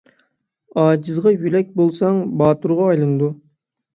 ئاجىزغا يۆلەك بولساڭ، باتۇرغا ئايلىنىدۇ.